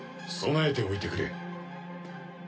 備えておいてくれ。